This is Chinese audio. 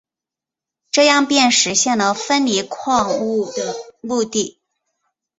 这样便实现了分离矿物的目的。